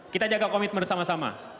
kita jaga komitmen sama sama